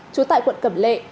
chú tại quận cẩm lệ